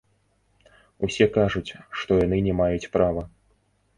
Усе кажуць, што яны не маюць права.